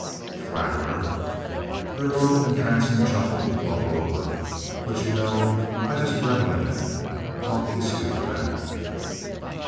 "Flatterer!" Her low, entrancing chuckle bubbled over. "But you know I just revel in it. I'll kiss you for that!"